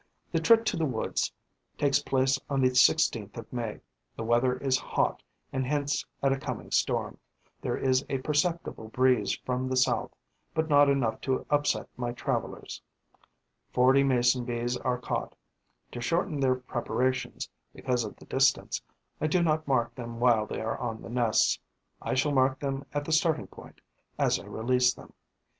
The trip to the woods takes place on the 16th of May. The weather is hot and hints at a coming storm. There is a perceptible breeze from the south, but not enough to upset my travellers. Forty Mason bees are caught. To shorten the preparations, because of the distance, I do not mark them while they are on the nests; I shall mark them at the starting point, as I release them.